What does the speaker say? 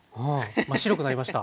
真っ白くなりました。